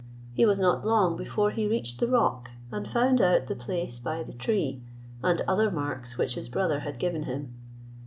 He was not long before he reached the rock, and found out the place by the tree, and other marks which his brother had given him.